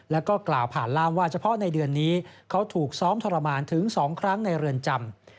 แล้วก็กล่าวผ่านล่ามว่าเฉพาะในเดือนนี้เขาถูกซ้อมทรมานถึง๒ครั้งในเรือนจำ